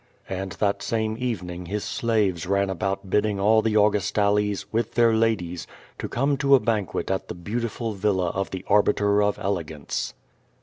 And that same evening his slaves ran about bidding all the Augustales, with their ladies, to come to a banquet at the beautiful villa of the Arbiter of Elegance.